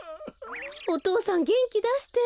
お父さんげんきだして。